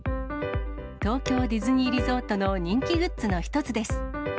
東京ディズニーリゾートの人気グッズの一つです。